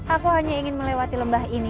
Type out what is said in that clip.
aku hanya ingin melewati lembah ini